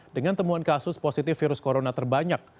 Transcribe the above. dengan temuan kasus positif virus corona terbanyak